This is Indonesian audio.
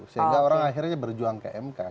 sehingga orang akhirnya berjuang ke mk